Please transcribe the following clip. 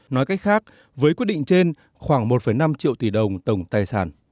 nói cách khác với quyết định trên khoảng một năm triệu tỷ đồng tổng tài sản